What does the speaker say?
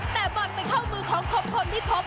แต่บอดไปเข้ามือของคนที่พบ